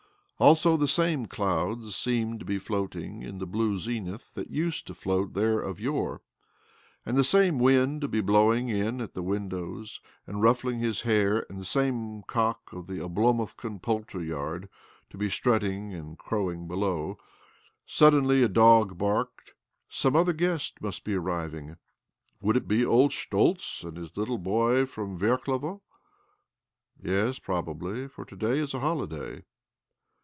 Also, the same clouds seemed be floating in the blue zenith that used OBLOMOV 289 float there of yore, and the same wind to be blowing in at the window, and ruffling his hair, and the same cock of the Oblomovkan poultry yard to be strutting and crowing below. Suddenly a dog barked. Some other guest must be arriving ! Would it be old Schtoltz and his little boy from Verklevo ? iYes, probably, for to day is a holiday.